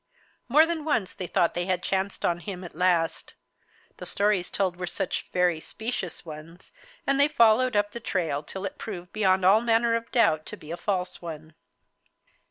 More than once they thought they had chanced on him at last; the stories told were such very specious ones, and they followed up the trail till it proved beyond all manner of doubt to be a false one.